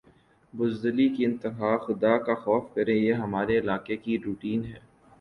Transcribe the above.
بزدلی کی انتہا خدا کا خوف کریں یہ ہمارے علاقے کی روٹین ھے